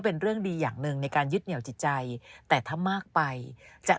เป็นเรื่องดีอย่างหนึ่งในการยึดเหนียวจิตใจแต่ถ้ามากไปจะ